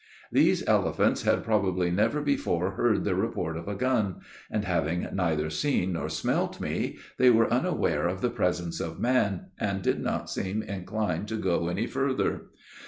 These elephants had probably never before heard the report of a gun, and, having neither seen nor smelt me, they were unaware of the presence of man, and did not seem inclined to go any further.